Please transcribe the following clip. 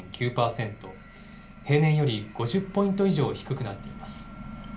平年より５０ポイント以上低くなっています。